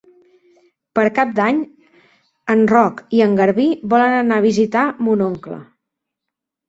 Per Cap d'Any en Roc i en Garbí volen anar a visitar mon oncle.